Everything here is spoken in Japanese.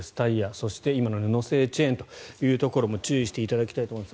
そして今の布製チェーンというところも注意していただきたいと思います。